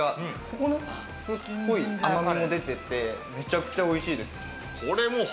ココナツっぽい甘みも出ててめちゃくちゃおいしいです。